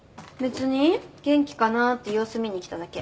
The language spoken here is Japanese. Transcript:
元気かなって様子見に来ただけ。